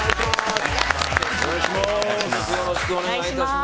よろしくお願いします。